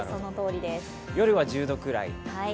夜は１０度くらい。